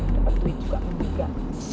dapat duit juga